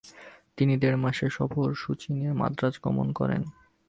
তিনি দেড় মাসের সফর সূচি নিয়ে মাদ্রাজ গমন করেন।